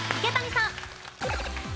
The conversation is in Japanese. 池谷さん。